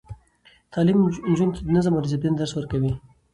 تعلیم نجونو ته د نظم او دسپلین درس ورکوي.